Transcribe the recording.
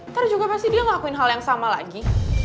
ntar juga pasti dia ngelakuin hal yang sama lagi